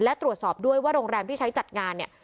และตรวจสอบด้วยว่าโรงแรมที่ใช้จัดงานเนี่ย